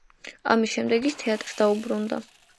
ამის შემდეგ ის თეატრს დაუბრუნდა.